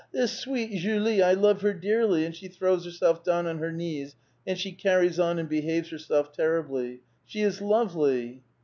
This sweet Julie, I love her dearlv!'* and she throws herself down on her knees and she carries on and behaves herself terriblj'. She is lovely